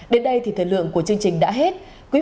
đến đây thì thời lượng của chương trình đã hết